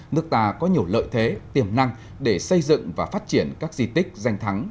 nước ta có nhiều lợi thế tiềm năng để xây dựng và phát triển các di tích danh thắng